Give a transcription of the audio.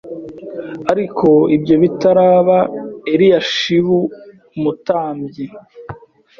Ariko ibyo bitaraba Eliyashibu umutambyi